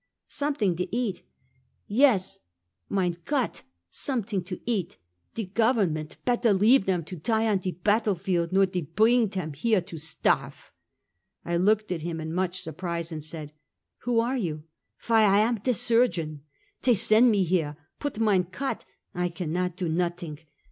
" Something to eat ?" ^"Yaas! mine Cot, someding to eat! De govern ment petter leave dem to tie on de pattle field, nm* do pring tern here to starve." I looked at him in much surprise, and said: ""Who are you?" " Yy, I am de surgeon. Tey send me here; put mine Cot, I cannot do notting.